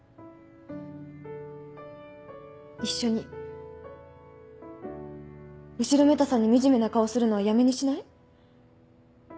一緒に後ろめたさに惨めな顔するのはやめにしない？